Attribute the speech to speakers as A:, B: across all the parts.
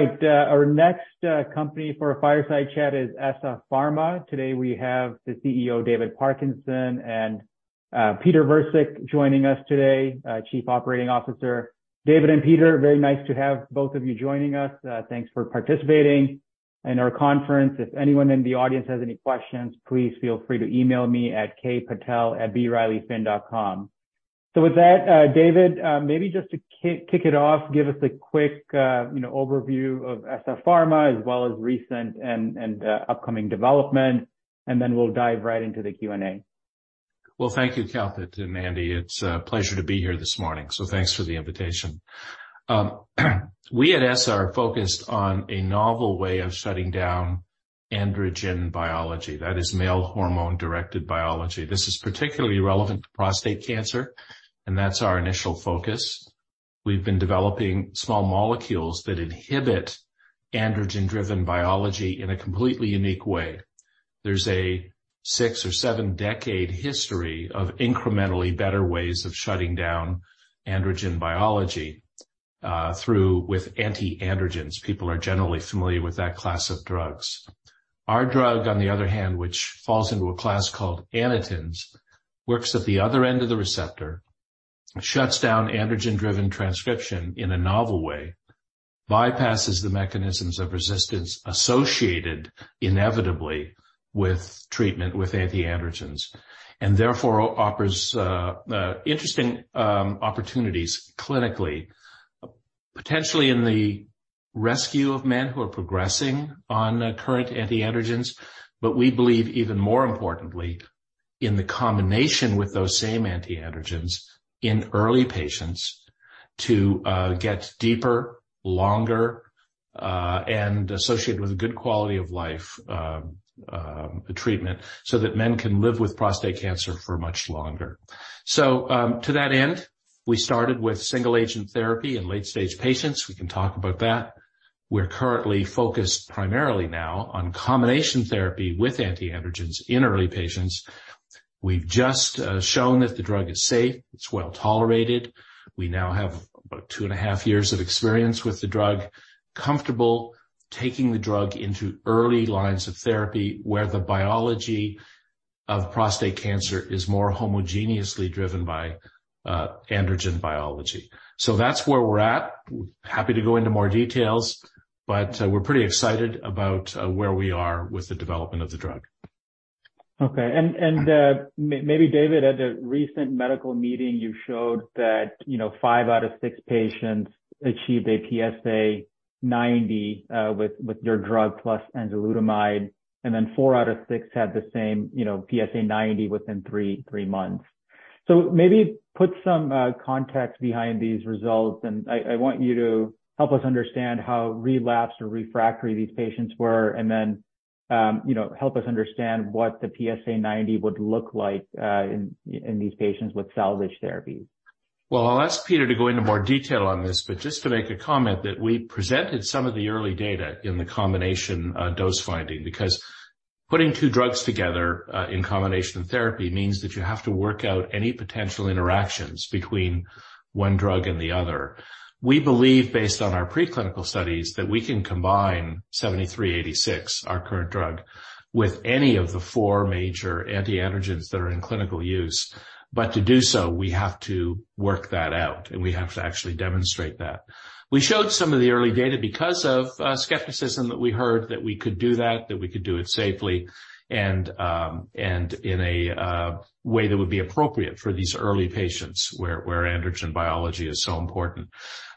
A: All right, our next company for a fireside chat is ESSA Pharma. Today we have the CEO, David Parkinson, and Peter Virsik joining us today, Chief Operating Officer. David and Peter, very nice to have both of you joining us. Thanks for participating in our conference. If anyone in the audience has any questions, please feel free to email me at kpatel@brileyfin.com. David, maybe just to kick it off, give us a quick, you know, overview of ESSA Pharma as well as recent and upcoming development, and then we'll dive right into the Q&A.
B: Well, thank you, Kalpit and Mandy. It's a pleasure to be here this morning. Thanks for the invitation. We at ESSA Pharma are focused on a novel way of shutting down androgen biology, that is male hormone-directed biology. This is particularly relevant to prostate cancer. That's our initial focus. We've been developing small molecules that inhibit androgen-driven biology in a completely unique way. There's a six or seven-decade history of incrementally better ways of shutting down androgen biology through with anti-androgens. People are generally familiar with that class of drugs. Our drug, on the other hand, which falls into a class called Anitens, works at the other end of the receptor, shuts down androgen-driven transcription in a novel way, bypasses the mechanisms of resistance associated inevitably with treatment with anti-androgens, and therefore offers interesting opportunities clinically, potentially in the rescue of men who are progressing on current anti-androgens. We believe, even more importantly, in the combination with those same anti-androgens in early patients to get deeper, longer, and associated with good quality of life treatment so that men can live with prostate cancer for much longer. To that end, we started with single agent therapy in late stage patients. We can talk about that. We're currently focused primarily now on combination therapy with anti-androgens in early patients. We've just shown that the drug is safe, it's well-tolerated. We now have about 2 and a half years of experience with the drug, comfortable taking the drug into early lines of therapy, where the biology of prostate cancer is more homogeneously driven by androgen biology. That's where we're at. Happy to go into more details, but we're pretty excited about where we are with the development of the drug.
A: Okay. Maybe David, at a recent medical meeting, you showed that, you know, 5 out of 6 patients achieved a PSA90 with your drug plus enzalutamide, and then 4 out of 6 had the same, you know, PSA90 within 3 months. Maybe put some context behind these results. I want you to help us understand how relapsed or refractory these patients were, and then, you know, help us understand what the PSA90 would look like in these patients with salvage therapy.
B: I'll ask Peter to go into more detail on this, but just to make a comment that we presented some of the early data in the combination, dose finding, because putting two drugs together, in combination therapy means that you have to work out any potential interactions between one drug and the other. We believe based on our preclinical studies, that we can combine 7386, our current drug, with any of the four major anti-androgens that are in clinical use. To do so, we have to work that out, and we have to actually demonstrate that. We showed some of the early data because of skepticism that we heard that we could do that we could do it safely, and in a way that would be appropriate for these early patients where androgen biology is so important.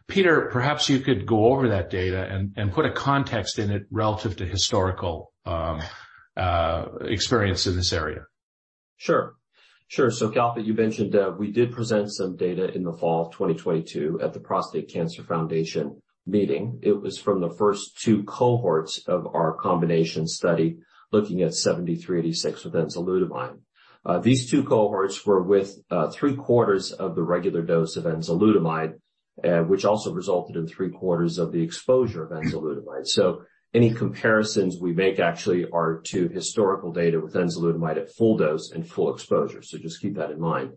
B: Peter, perhaps you could go over that data and put a context in it relative to historical experience in this area.
C: Sure. Sure. Kalpit, you mentioned, we did present some data in the fall of 2022 at the Prostate Cancer Foundation meeting. It was from the first two cohorts of our combination study looking at EPI-7386 with enzalutamide. These two cohorts were with three-quarters of the regular dose of enzalutamide, which also resulted in three-quarters of the exposure of enzalutamide. Any comparisons we make actually are to historical data with enzalutamide at full dose and full exposure. Just keep that in mind.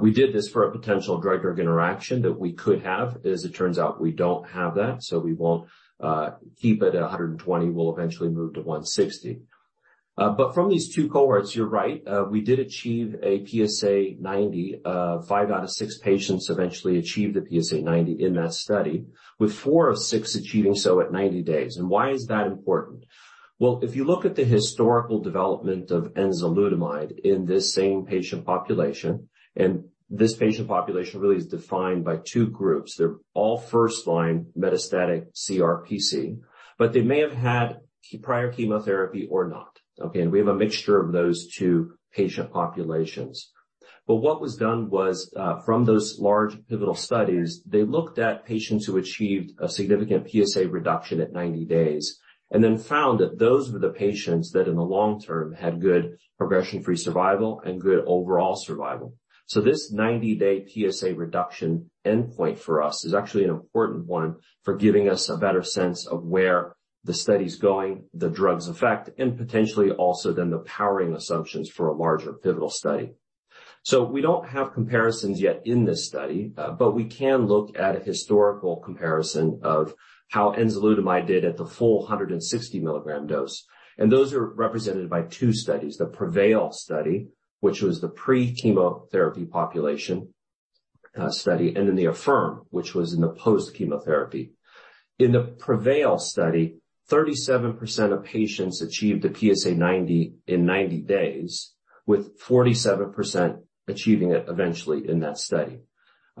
C: We did this for a potential drug-drug interaction that we could have. As it turns out, we don't have that, so we won't keep it at 120. We'll eventually move to 160. From these two cohorts, you're right, we did achieve a PSA90. 5 out of 6 patients eventually achieved a PSA90 in that study, with 4 of 6 achieving so at 90 days. Why is that important? Well, if you look at the historical development of enzalutamide in this same patient population, and this patient population really is defined by 2 groups. They're all first-line metastatic CRPC, but they may have had prior chemotherapy or not. Okay? We have a mixture of those 2 patient populations. What was done was, from those large pivotal studies, they looked at patients who achieved a significant PSA reduction at 90 days and then found that those were the patients that in the long term had good progression-free survival and good overall survival. This 90-day PSA reduction endpoint for us is actually an important one for giving us a better sense of where the study's going, the drug's effect, and potentially also then the powering assumptions for a larger pivotal study. We don't have comparisons yet in this study, but we can look at a historical comparison of how enzalutamide did at the full 160 milligram dose. Those are represented by two studies, the PREVAIL study, which was the pre-chemotherapy population, study, and then the AFFIRM, which was in the post chemotherapy. In the PREVAIL study, 37% of patients achieved a PSA90 in 90 days, with 47% achieving it eventually in that study.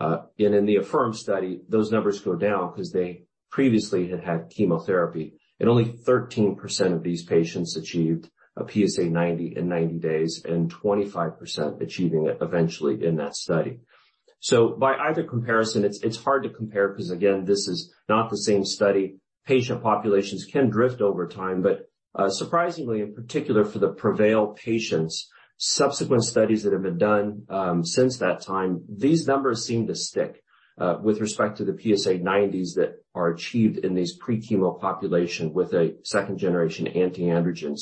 C: In the AFFIRM study, those numbers go down because they previously had chemotherapy, and only 13% of these patients achieved a PSA90 in 90 days and 25% achieving it eventually in that study. By either comparison, it's hard to compare because again, this is not the same study. Patient populations can drift over time, but surprisingly, in particular for the PREVAIL patients, subsequent studies that have been done since that time, these numbers seem to stick with respect to the PSA90s that are achieved in these pre-chemo population with a second-generation anti-androgen.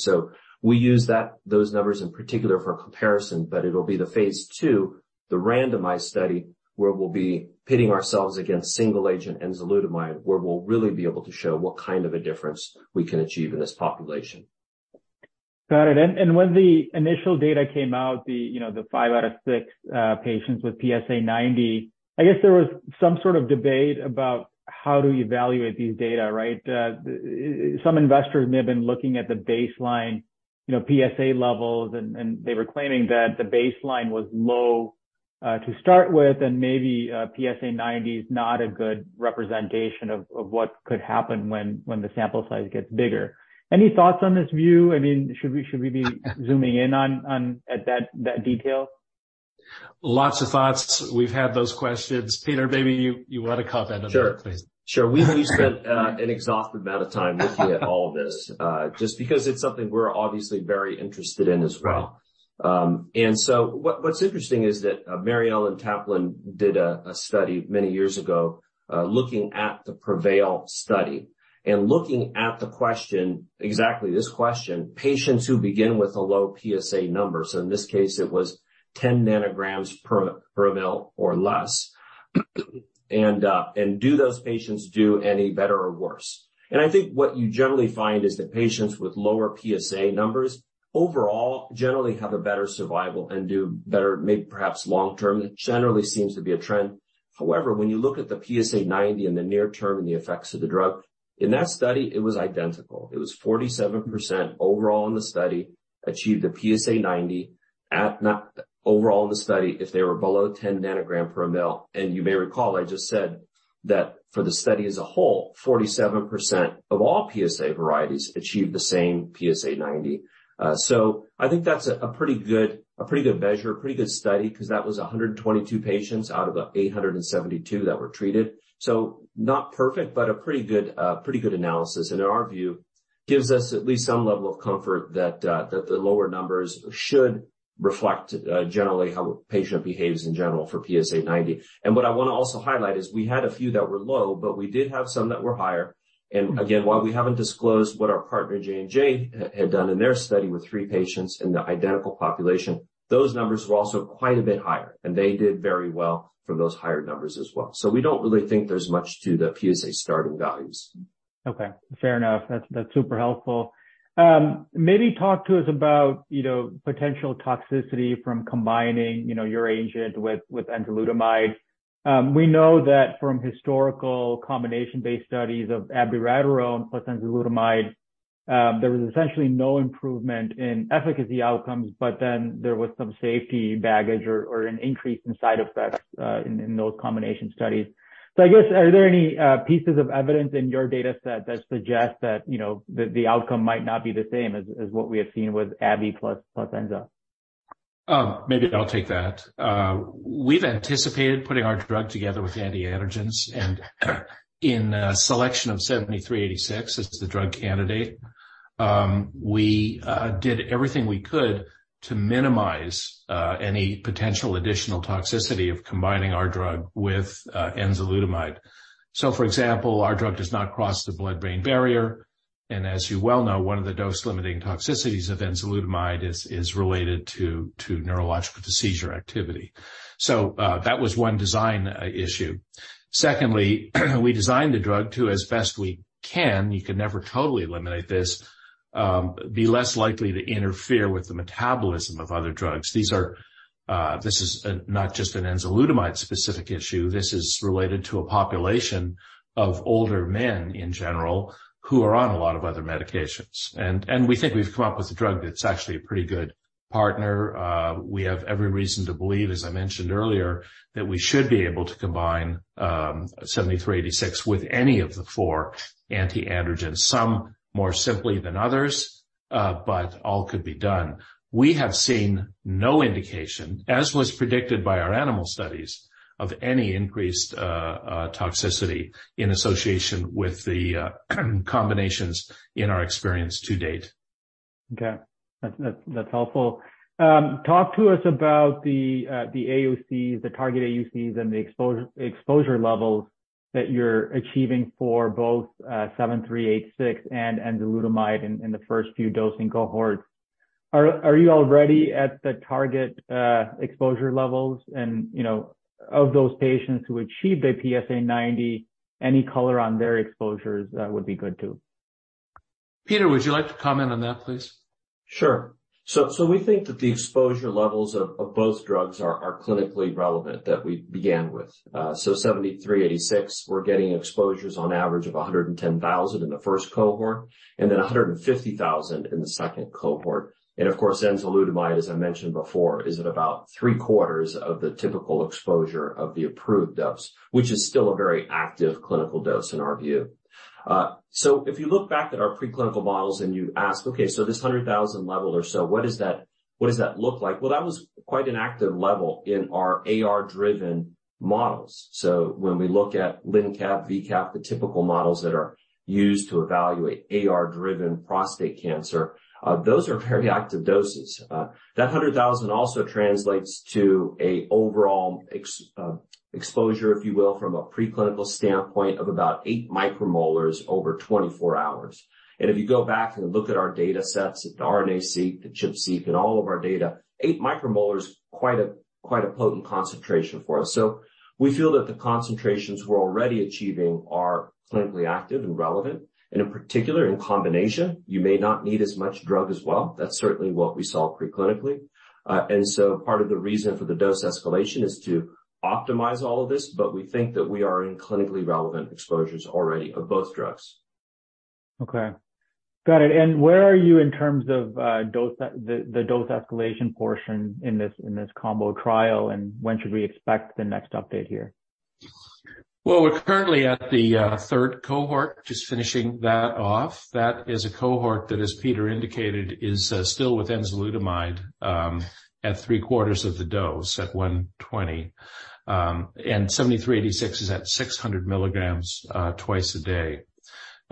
C: We use those numbers in particular for comparison, but it'll be the phase 2, the randomized study, where we'll be pitting ourselves against single agent enzalutamide, where we'll really be able to show what kind of a difference we can achieve in this population.
A: Got it. When the initial data came out, the, you know, the 5 out of 6 patients with PSA90, I guess there was some sort of debate about how to evaluate these data, right? Some investors may have been looking at the baseline, you know, PSA levels, and they were claiming that the baseline was low to start with and maybe a PSA90 is not a good representation of what could happen when the sample size gets bigger. Any thoughts on this view? I mean, should we be zooming in on at that detail?
B: Lots of thoughts. We've had those questions. Peter, maybe you want to comment on that, please.
C: Sure. We spent an exhaustive amount of time looking at all of this, just because it's something we're obviously very interested in as well. What's interesting is that Mary-Ellen Taplin did a study many years ago, looking at the PREVAIL study and looking at the question, exactly this question, patients who begin with a low PSA number. In this case, it was 10 nanograms per ml or less. Do those patients do any better or worse? I think what you generally find is that patients with lower PSA numbers overall generally have a better survival and do better, maybe perhaps long-term. It generally seems to be a trend. However, when you look at the PSA 90 in the near term and the effects of the drug, in that study, it was identical. It was 47% overall in the study achieved a PSA90 overall in the study if they were below 10 nanogram per ml. You may recall, I just said that for the study as a whole, 47% of all PSA varieties achieved the same PSA90. I think that's a pretty good, a pretty good measure, pretty good study, 'cause that was 122 patients out of the 872 that were treated. Not perfect, but a pretty good, pretty good analysis. In our view, gives us at least some level of comfort that the lower numbers should reflect generally how a patient behaves in general for PSA90. What I want to also highlight is we had a few that were low, but we did have some that were higher. While we haven't disclosed what our partner J&J had done in their study with 3 patients in the identical population, those numbers were also quite a bit higher, and they did very well for those higher numbers as well. We don't really think there's much to the PSA starting values.
A: Okay, fair enough. That's super helpful. Maybe talk to us about, you know, potential toxicity from combining, you know, your agent with enzalutamide. We know that from historical combination-based studies of abiraterone plus enzalutamide, there was essentially no improvement in efficacy outcomes, but then there was some safety baggage or an increase in side effects in those combination studies. I guess, are there any pieces of evidence in your data set that suggest that, you know, the outcome might not be the same as what we have seen with Abi plus Enza?
B: Maybe I'll take that. We've anticipated putting our drug together with anti-androgens, and in a selection of EPI-7386 as the drug candidate, we did everything we could to minimize any potential additional toxicity of combining our drug with enzalutamide. For example, our drug does not cross the blood-brain barrier, and as you well know, 1 of the dose-limiting toxicities of enzalutamide is related to neurological to seizure activity. That was 1 design issue. Secondly, we designed the drug to, as best we can, you can never totally eliminate this, be less likely to interfere with the metabolism of other drugs. This is not just an enzalutamide-specific issue. This is related to a population of older men in general who are on a lot of other medications. We think we've come up with a drug that's actually a pretty good partner. We have every reason to believe, as I mentioned earlier, that we should be able to combine EPI-7386 with any of the four anti-androgens, some more simply than others, but all could be done. We have seen no indication, as was predicted by our animal studies, of any increased toxicity in association with the combinations in our experience to date.
A: Okay. That's helpful. Talk to us about the AUCs, the target AUCs, and the exposure levels. That you're achieving for both EPI-7386 and enzalutamide in the first few dosing cohorts. Are you already at the target exposure levels? You know, of those patients who achieved a PSA90, any color on their exposures, that would be good too.
B: Peter, would you like to comment on that, please?
C: Sure. So we think that the exposure levels of both drugs are clinically relevant that we began with. EPI-7386, we're getting exposures on average of 110,000 in the first cohort and then 150,000 in the second cohort. Of course, enzalutamide, as I mentioned before, is at about three-quarters of the typical exposure of the approved dose, which is still a very active clinical dose in our view. If you look back at our preclinical models and you ask, "Okay, so this 100,000 level or so, what does that look like?" Well, that was quite an active level in our AR-driven models. When we look at LNCaP, VCaP, the typical models that are used to evaluate AR-driven prostate cancer, those are very active doses. That 100,000 also translates to a overall exposure, if you will, from a preclinical standpoint of about 8 micromolars over 24 hours. If you go back and look at our data sets, at the RNA-seq, the ChIP-seq and all of our data, 8 micromolar is quite a potent concentration for us. We feel that the concentrations we're already achieving are clinically active and relevant. In particular, in combination, you may not need as much drug as well. That's certainly what we saw preclinically. Part of the reason for the dose escalation is to optimize all of this, but we think that we are in clinically relevant exposures already of both drugs.
A: Okay. Got it. Where are you in terms of the dose escalation portion in this, in this combo trial, and when should we expect the next update here?
B: We're currently at the third cohort, just finishing that off. That is a cohort that, as Peter indicated, is still with enzalutamide, at three-quarters of the dose, at 120. EPI-7386 is at 600 milligrams, twice a day.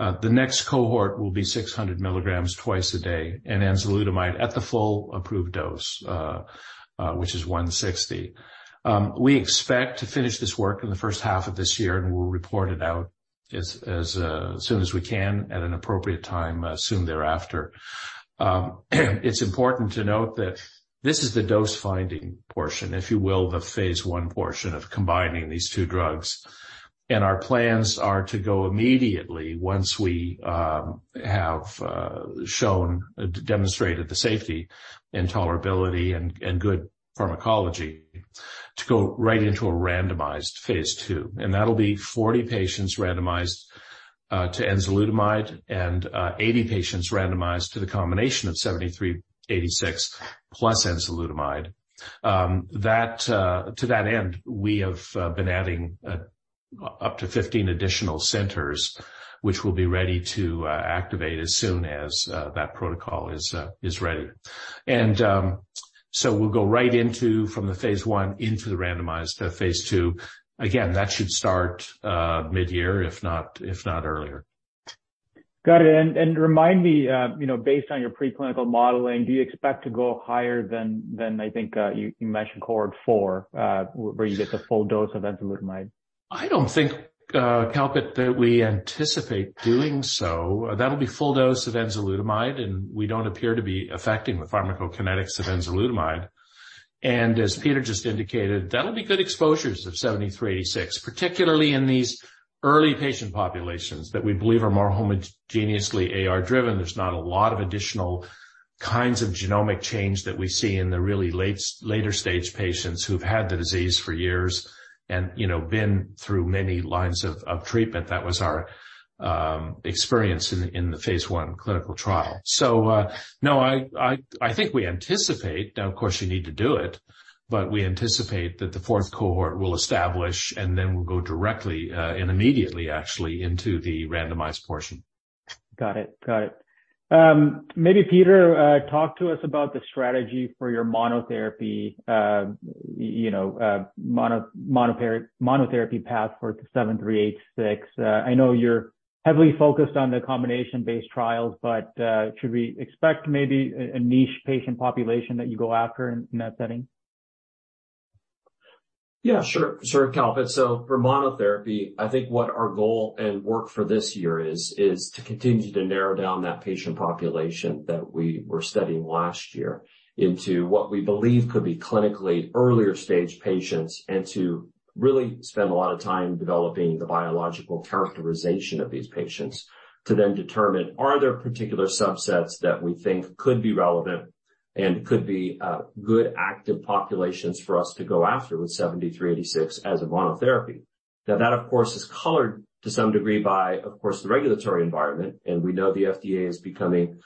B: The next cohort will be 600 milligrams twice a day and enzalutamide at the full approved dose, which is 160. We expect to finish this work in the first half of this year, and we'll report it out as soon as we can at an appropriate time, soon thereafter. It's important to note that this is the dose-finding portion, if you will, the phase 1 portion of combining these two drugs. Our plans are to go immediately once we have demonstrated the safety and tolerability and good pharmacology to go right into a randomized phase 2. That'll be 40 patients randomized to enzalutamide and 80 patients randomized to the combination of 7386 plus enzalutamide. That, to that end, we have been adding up to 15 additional centers which will be ready to activate as soon as that protocol is ready. We'll go right into, from the phase 1 into the randomized phase 2. Again, that should start mid-year if not, if not earlier.
A: Got it. Remind me, you know, based on your preclinical modeling, do you expect to go higher than I think, you mentioned cohort four, where you get the full dose of enzalutamide?
B: I don't think, Kalpit, that we anticipate doing so. That'll be full dose of enzalutamide, we don't appear to be affecting the pharmacokinetics of enzalutamide. As Peter just indicated, that'll be good exposures of 7386, particularly in these early patient populations that we believe are more homogeneously AR-driven. There's not a lot of additional kinds of genomic change that we see in the really later-stage patients who've had the disease for years and, you know, been through many lines of treatment. That was our experience in the phase 1 clinical trial. No, I think we anticipate. Now, of course, you need to do it, but we anticipate that the fourth cohort will establish, and then we'll go directly and immediately, actually, into the randomized portion.
A: Got it. Maybe Peter, talk to us about the strategy for your monotherapy, you know, monotherapy path for EPI-7386. I know you're heavily focused on the combination-based trials. Should we expect maybe a niche patient population that you go after in that setting?
C: Yeah, sure. Sure, Kalpit. For monotherapy, I think what our goal and work for this year is to continue to narrow down that patient population that we were studying last year into what we believe could be clinically earlier-stage patients and to really spend a lot of time developing the biological characterization of these patients to then determine are there particular subsets that we think could be relevant and could be good active populations for us to go after with 7386 as a monotherapy. That, of course, is colored to some degree by, of course, the regulatory environment. We know the FDA is becoming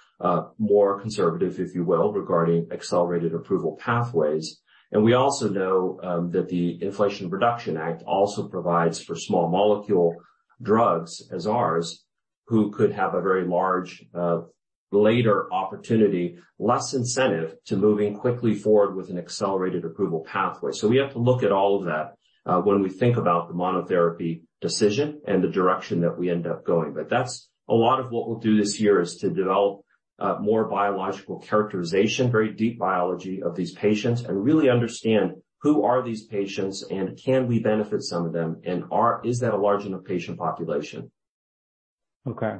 C: more conservative, if you will, regarding accelerated approval pathways. We also know that the Inflation Reduction Act also provides for small molecule drugs as ours, who could have a very large, later opportunity, less incentive to moving quickly forward with an accelerated approval pathway. We have to look at all of that, when we think about the monotherapy decision and the direction that we end up going. That's a lot of what we'll do this year, is to develop more biological characterization, very deep biology of these patients, and really understand who are these patients and can we benefit some of them, and is that a large enough patient population?
A: Okay.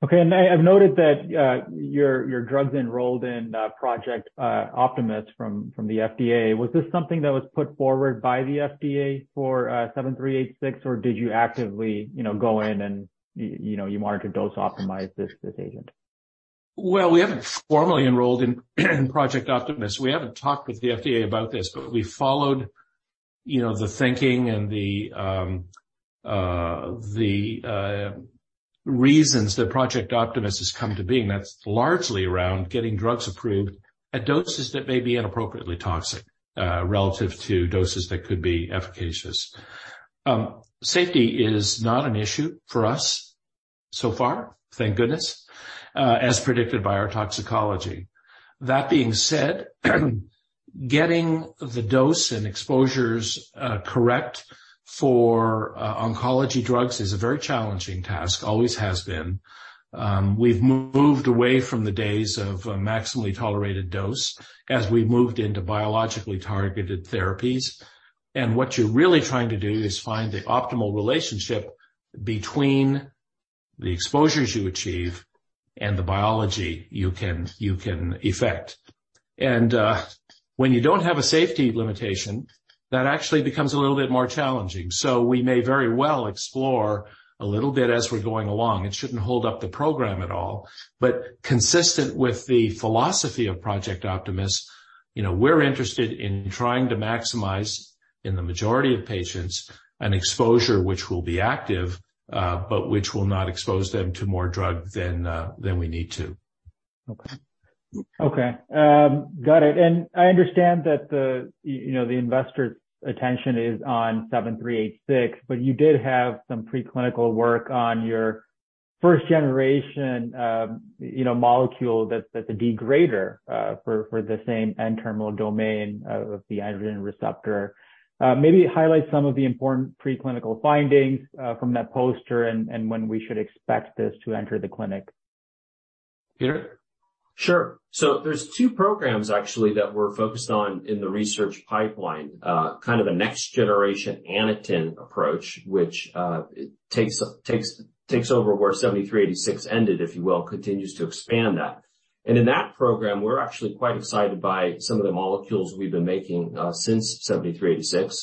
A: Okay, I've noted that your drug's enrolled in Project Optimus from the FDA. Was this something that was put forward by the FDA for EPI-7386, or did you actively, you know, go in and, you know, you wanted to dose optimize this agent?
B: Well, we haven't formally enrolled in Project Optimus. We haven't talked with the FDA about this, but we followed, you know, the thinking and the reasons that Project Optimus has come to being, that's largely around getting drugs approved at doses that may be inappropriately toxic, relative to doses that could be efficacious. Safety is not an issue for us so far, thank goodness, as predicted by our toxicology. That being said, getting the dose and exposures correct for oncology drugs is a very challenging task, always has been. We've moved away from the days of a maximally tolerated dose as we've moved into biologically targeted therapies. What you're really trying to do is find the optimal relationship between the exposures you achieve and the biology you can effect. When you don't have a safety limitation, that actually becomes a little bit more challenging. We may very well explore a little bit as we're going along. It shouldn't hold up the program at all. Consistent with the philosophy of Project Optimus, you know, we're interested in trying to maximize, in the majority of patients, an exposure which will be active, but which will not expose them to more drug than we need to.
A: Okay. Okay. Got it. I understand that the, you know, the investors' attention is on 7386, but you did have some preclinical work on your first generation, you know, molecule that's a degrader for the same N-terminal domain of the androgen receptor. Maybe highlight some of the important preclinical findings from that poster and when we should expect this to enter the clinic.
B: Peter?
C: Sure. there's two programs actually that we're focused on in the research pipeline, kind of a next generation Aniten approach, which takes over where EPI-7386 ended, if you will, continues to expand that. In that program, we're actually quite excited by some of the molecules we've been making, since EPI-7386.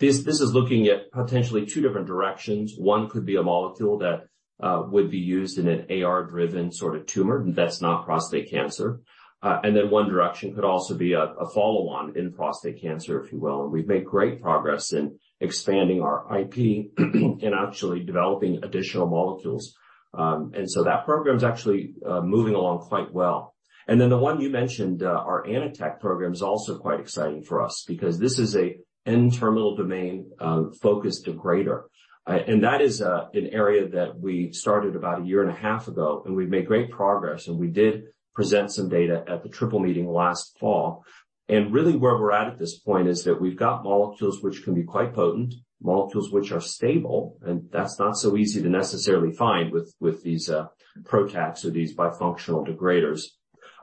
C: This is looking at potentially two different directions. One could be a molecule that would be used in an AR-driven sort of tumor, that's not prostate cancer. One direction could also be a follow-on in prostate cancer, if you will. We've made great progress in expanding our IP and actually developing additional molecules. That program is actually moving along quite well. The one you mentioned, our ANITAC program is also quite exciting for us because this is a N-terminal domain focused degrader. That is an area that we started about a year and a half ago, and we've made great progress, and we did present some data at the triple meeting last fall. Really where we're at at this point is that we've got molecules which can be quite potent, molecules which are stable, and that's not so easy to necessarily find with these PROTACs or these bifunctional degraders.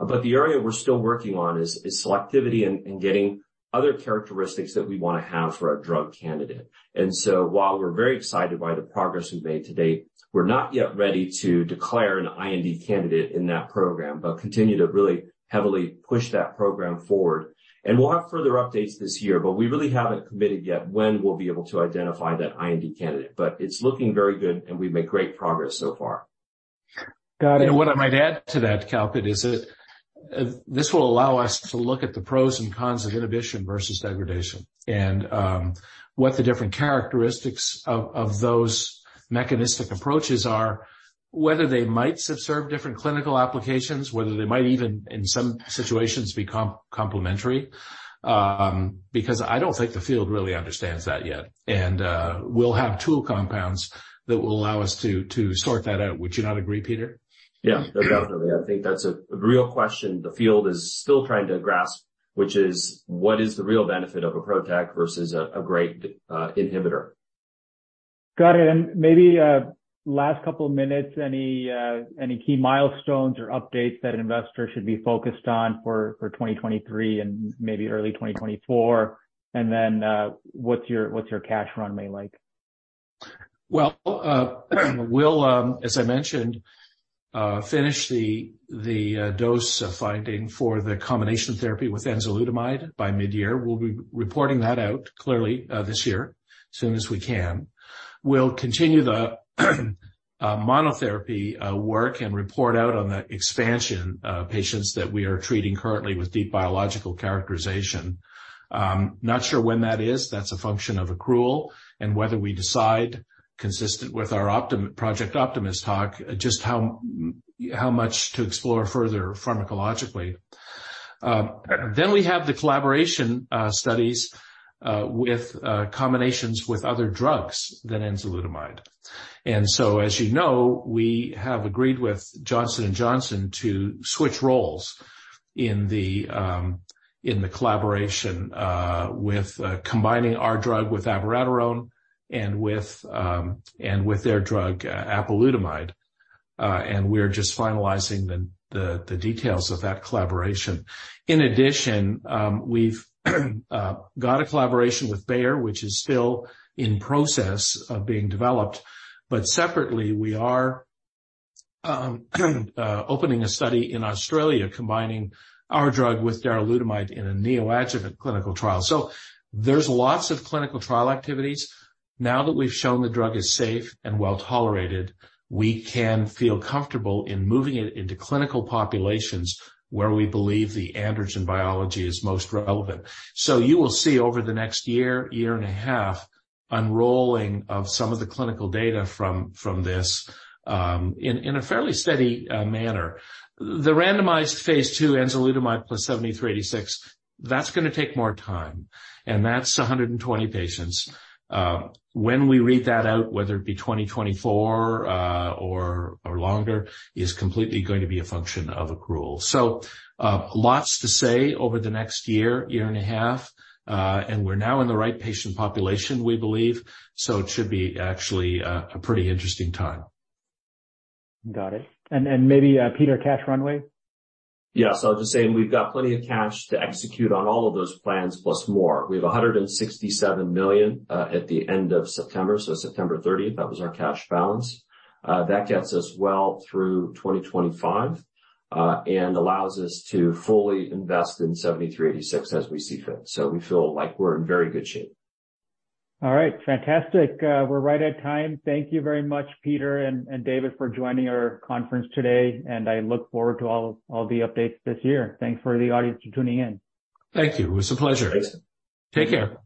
C: The area we're still working on is selectivity and getting other characteristics that we wanna have for our drug candidate. While we're very excited by the progress we've made to date, we're not yet ready to declare an IND candidate in that program, but continue to really heavily push that program forward. We'll have further updates this year, but we really haven't committed yet when we'll be able to identify that IND candidate. It's looking very good, and we've made great progress so far.
A: Got it.
B: What I might add to that, Kalpit, is that, this will allow us to look at the pros and cons of inhibition versus degradation and, what the different characteristics of those mechanistic approaches are, whether they might serve different clinical applications, whether they might even in some situations become complementary, because I don't think the field really understands that yet. We'll have tool compounds that will allow us to sort that out. Would you not agree, Peter?
C: Yeah, definitely. I think that's a real question the field is still trying to grasp, which is what is the real benefit of a PROTAC versus a great inhibitor.
A: Got it. Maybe last couple minutes, any key milestones or updates that investors should be focused on for 2023 and maybe early 2024? Then what's your cash runway like?
B: Well, we'll as I mentioned, finish the dose finding for the combination therapy with enzalutamide by mid-year. We'll be reporting that out clearly this year as soon as we can. We'll continue the monotherapy work and report out on the expansion of patients that we are treating currently with deep biological characterization. Not sure when that is. That's a function of accrual and whether we decide, consistent with our Project Optimus talk, just how much to explore further pharmacologically. Then we have the collaboration studies with combinations with other drugs than enzalutamide. As you know, we have agreed with Johnson & Johnson to switch roles in the collaboration with combining our drug with abiraterone and with their drug apalutamide. We're just finalizing the details of that collaboration. In addition, we've got a collaboration with Bayer, which is still in process of being developed, but separately, we are opening a study in Australia combining our drug with darolutamide in a neoadjuvant clinical trial. There's lots of clinical trial activities. Now that we've shown the drug is safe and well-tolerated, we can feel comfortable in moving it into clinical populations where we believe the androgen biology is most relevant. You will see over the next year and a half, unrolling of some of the clinical data from this in a fairly steady manner. The randomized phase two enzalutamide plus EPI-7386, that's gonna take more time, that's 120 patients. When we read that out, whether it be 2024, or longer, is completely going to be a function of accrual. Lots to say over the next year and a half, and we're now in the right patient population, we believe. It should be actually a pretty interesting time.
A: Got it. Maybe, Peter, cash runway?
C: Yes. I'll just say we've got plenty of cash to execute on all of those plans, plus more. We have $167 million at the end of September. September 30th, that was our cash balance. That gets us well through 2025 and allows us to fully invest in 7386 as we see fit. We feel like we're in very good shape.
A: All right. Fantastic. We're right at time. Thank you very much, Peter and David for joining our conference today. I look forward to all the updates this year. Thanks for the audience for tuning in.
B: Thank you. It was a pleasure.
C: Thanks.
B: Take care.